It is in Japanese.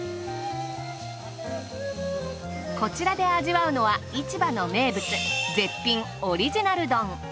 こちらで味わうのは市場の名物絶品オリジナル丼。